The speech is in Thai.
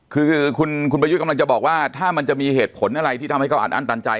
คือคุณประยุทธ์กำลังจะบอกว่าถ้ามันจะมีเหตุผลอะไรที่ทำให้เขาอัดอั้นตันใจ